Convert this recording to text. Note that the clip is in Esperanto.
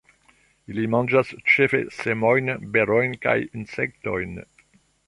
Ili manĝas ĉefe semojn, berojn kaj insektojn.